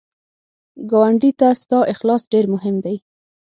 ګاونډي ته ستا اخلاص ډېر مهم دی